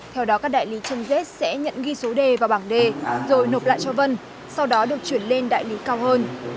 theo đó các đại lý chân jet sẽ nhận ghi số đề vào bảng d rồi nộp lại cho vân sau đó được chuyển lên đại lý cao hơn